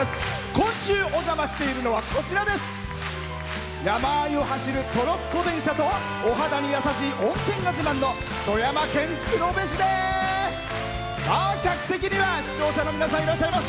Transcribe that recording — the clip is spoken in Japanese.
今週お邪魔しているのは山間を走るトロッコ電車とお肌にやさしい温泉が自慢の富山県黒部市です。